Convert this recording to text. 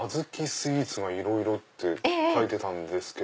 スイーツがいろいろって書いてたんですけど。